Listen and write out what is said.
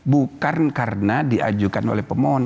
bukan karena diajukan oleh pemohon